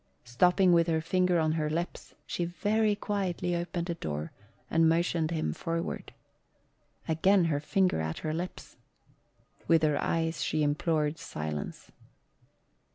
Stopping with her finger on her lips, she very quietly opened a door and motioned him forward. Again her finger at her lips! With her eyes she implored silence.